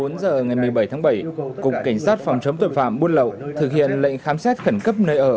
một mươi bốn h ngày một mươi bảy tháng bảy cục cảnh sát phòng chống tuệ phạm buôn lậu thực hiện lệnh khám xét khẩn cấp nơi ở